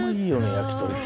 焼き鳥って。